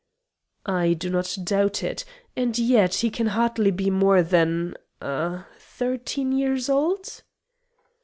"I do not doubt it. And yet, he can hardly be more than ah! thirteen years old?"